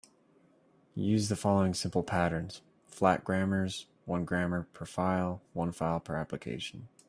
Use the following simple patterns: flat grammars, one grammar per file, one file per application.